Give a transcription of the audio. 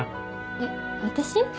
えっ私？